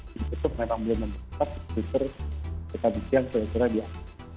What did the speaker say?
di youtube memang belum membesar di twitter di kbk yang terlalu beragam